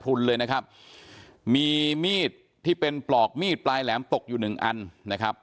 ุนเลยนะครับมีมีดที่เป็นปลอกมีดปลายแหลมตกอยู่หนึ่งอันนะครับ